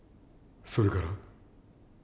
それから？